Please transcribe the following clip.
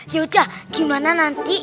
yaudah gimana nanti